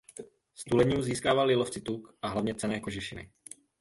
Z tuleňů získávali lovci tuk a hlavně cenné kožešiny.